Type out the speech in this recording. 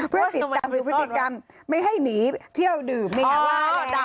เพื่อติดตามผลพฤติกรรมไม่ให้หนีเที่ยวดื่มไม่กลัวแล้ว